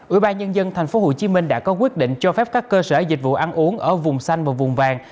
ủy ban nhân dân tp hcm đã có quyết định cho phép các cơ sở dịch vụ ăn uống ở vùng xanh và vùng vàng